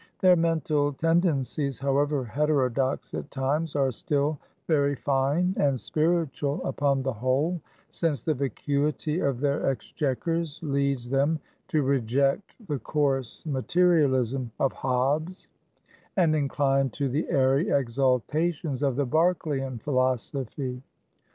Their mental tendencies, however heterodox at times, are still very fine and spiritual upon the whole; since the vacuity of their exchequers leads them to reject the coarse materialism of Hobbs, and incline to the airy exaltations of the Berkelyan philosophy.